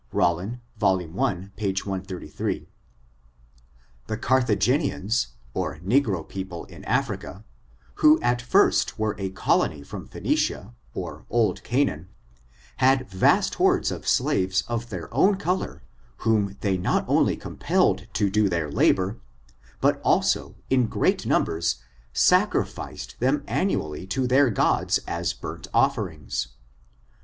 — Rolling voL i, p. 133. The Carthagenians, a negro people in Africa, who at first were a colony from Phcenicia, or old Canaan* ^^t^^^^^t^^^i^ 260 ORIGIN, CHARACTER, AND had vast hordes of slaves of their own color, whom they not only compelled to do their labor, but also, in great numbers, sacrificed them annually to their gods as burnt offerings.